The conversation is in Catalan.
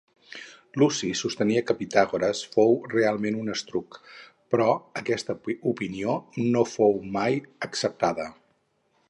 Luci sostenia que Pitàgores fou realment un etrusc, però aquesta opinió no fou mai acceptada.